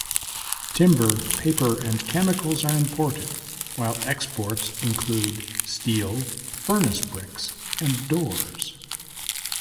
Timber, paper and chemicals are imported while exports include steel, furnace-bricks and doors.